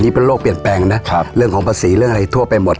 นี่เป็นโรคเปลี่ยนแปลงนะครับเรื่องของภาษีเรื่องอะไรทั่วไปหมด